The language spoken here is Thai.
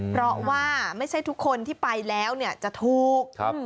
เพราะว่าไม่ใช่ทุกคนที่ไปแล้วเนี่ยจะถูก